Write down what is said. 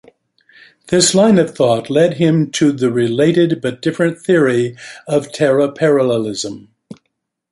This line of thought led him to the related but different theory of teleparallelism.